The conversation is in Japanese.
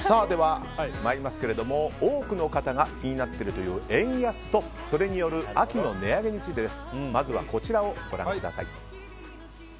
多くの方が気になっているという円安と、それによる秋の値上げについてです。